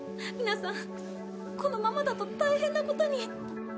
皆さんこのままだと大変な事に。